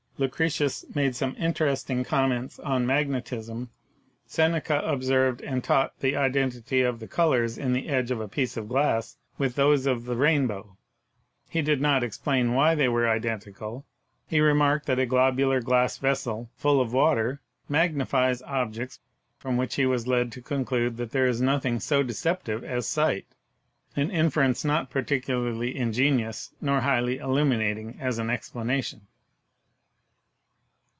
Lucretius made some interesting comments on magnetism; Seneca observed and taught the identity of the colors in the edge of a piece of glass with those of the rainbow; he did not explain why they were identical; he remarked that a globular glass vessel, full of water, magnifies objects, from which he was led to conclude that there is nothing so deceptive as sight, an inference not particularly ingenious nor highly illumi nating as an explanation.